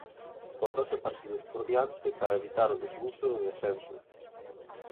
Con doce partidos por diante para evitar o desgusto do descenso.